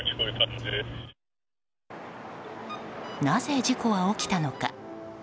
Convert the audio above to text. なぜ事故は起きたのか。